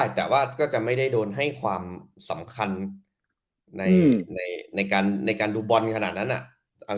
แต่ว่าก็จะไม่ได้โดนให้ความสำคัญในการดูบอลขนาดนั้น